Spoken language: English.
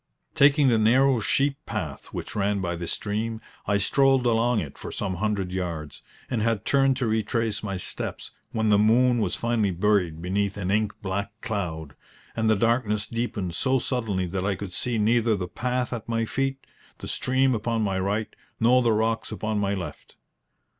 Taking the narrow sheep path which ran by this stream, I strolled along it for some hundred yards, and had turned to retrace my steps, when the moon was finally buried beneath an ink black cloud, and the darkness deepened so suddenly that I could see neither the path at my feet, the stream upon my right, nor the rocks upon my left.